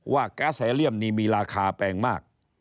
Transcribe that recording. ว่ากัส๒๘๐นี่มีราคาแปลงมาก